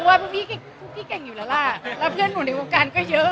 เพราะว่าพี่แก่งอยู่หละแล้วแล้วเพื่อนหนูในโคการก็เยอะ